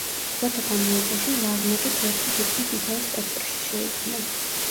დროთა განმავლობაში ლარნაკი ფერთა თითქმის მთელ სპექტრში შეიქმნა.